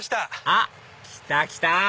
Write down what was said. あっ来た来た！